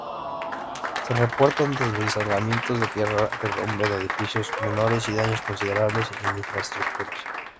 Se reportaron deslizamientos de tierra, derrumbe de edificios menores y daños considerables en infraestructura.